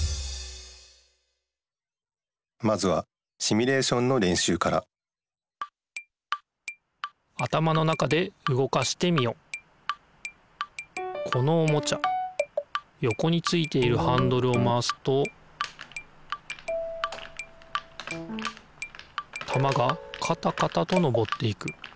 まずはシミュレーションのれんしゅうからこのおもちゃよこについているハンドルをまわすとたまがカタカタとのぼっていく。